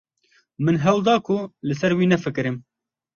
Min hewl da ku li ser wî nefikirim.